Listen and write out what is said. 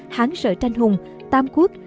hán sợ tranh hùng tam quốc